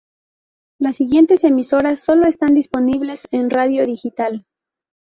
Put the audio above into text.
Las siguientes emisoras solo están disponibles en radio digital.